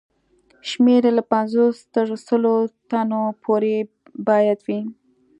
شمېر یې له پنځوس تر سلو تنو پورې باید وي.